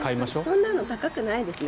そんなの高くないですね